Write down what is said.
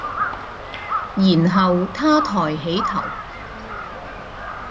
然後他抬起頭，